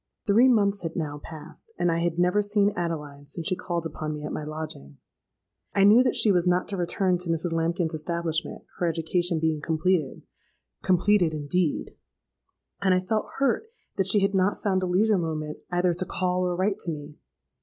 "Three months had now passed; and I had never seen Adeline since she called upon me at my lodging. I knew that she was not to return to Mrs. Lambkin's establishment, her education being completed (completed indeed!); and I felt hurt that she had not found a leisure moment either to call or write to me.